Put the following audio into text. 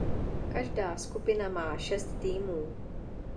Každá skupina má šest týmů.